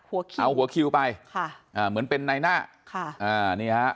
หัวคิวเอาหัวคิวไปเหมือนเป็นในหน้า